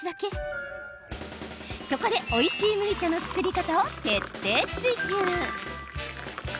そこで、おいしい麦茶の作り方を徹底追求。